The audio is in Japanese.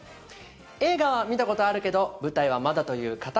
映画は見たことあるけど舞台はまだという方々